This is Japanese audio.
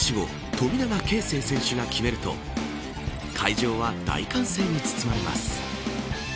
富永啓生選手が決めると会場は大歓声に包まれます。